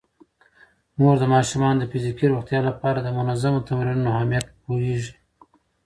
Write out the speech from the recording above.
مور د ماشومانو د فزیکي روغتیا لپاره د منظمو تمرینونو اهمیت پوهیږي.